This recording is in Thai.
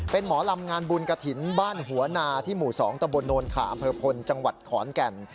เป็นหมอลำงานบุญกระถิ่นบ้านหัวนาที่หมู่๒ตะบนโนนขาอำเภอพลจังหวัดขอนแก่น